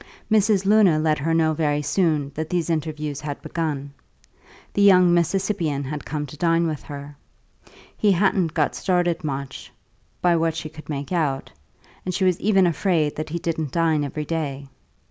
Mrs. Luna let her know very soon that these interviews had begun; the young Mississippian had come to dine with her; he hadn't got started much, by what she could make out, and she was even afraid that he didn't dine every day.